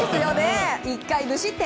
１回無失点。